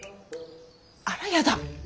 あらやだ。